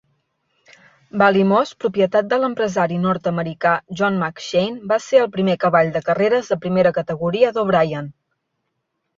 Ballymoss, propietat de l'empresari nord-americà John McShain, va ser el primer cavall de carreres de primera categoria d'O'Brien.